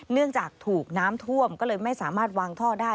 เนื่องจากถูกน้ำท่วมก็เลยไม่สามารถวางท่อได้